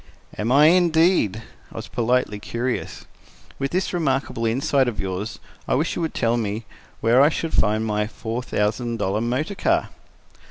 "Am I, indeed?" I was politely curious. "With this remarkable insight of yours, I wish you would tell me where I shall find my four thousand dollar motor car."